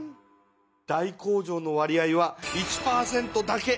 大工場の割合は１％だけ。